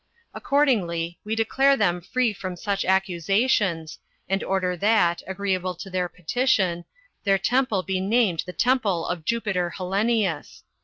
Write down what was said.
Accordingly, we declare them free from such accusations, and order that, agreeable to their petition, their temple be named the Temple of Jupiter Hellenius."